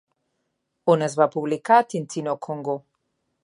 On es va publicar Tintin au Congo?